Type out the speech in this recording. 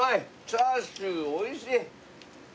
チャーシューおいしい！